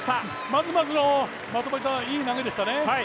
まずまずのいい投げでしたね。